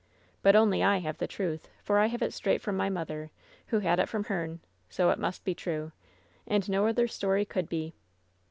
But only I have the truth, for I have it straight from my mother, who had it from her'n ! So it must be true I And no other story could be